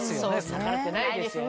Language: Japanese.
逆らってないですよね。